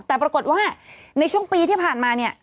แต่ปรากฏว่าในช่วงปีที่ผ่านมาเนี่ย